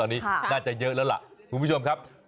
ตอนนี้น่าจะเยอะแล้วล่ะคุณผู้ชมครับ